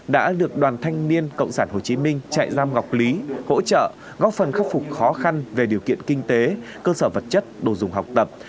đã được đoàn thanh niên cộng sản hồ chí minh chạy giam ngọc lý hỗ trợ góp phần khắc phục khó khăn về điều kiện kinh tế cơ sở vật chất đồ dùng học tập